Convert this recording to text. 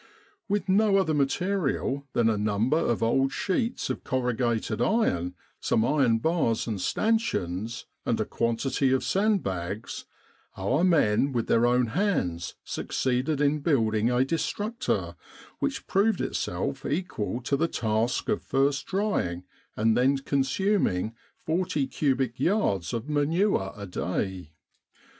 With no other 160 Camp Sanitation material than a number of old sheets of corrugated iron, some iron bars and stanchions, and a quantity of sandbags, our men with their own hands succeeded in building a destructor which proved itself equal to the task of first drying and then consuming forty cubic yards of manure a day.